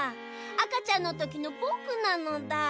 あかちゃんのときのぼくなのだ。